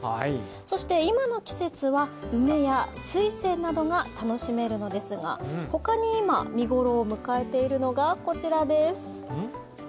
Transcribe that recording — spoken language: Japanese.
そして今の季節は梅や水仙などが楽しめるのですがほかに今見頃を迎えているのが、こちらです。